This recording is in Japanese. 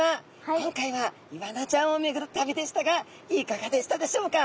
今回はイワナちゃんをめぐる旅でしたがいかがでしたでしょうか？